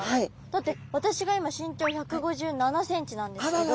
だって私が今身長１５７ｃｍなんですけど。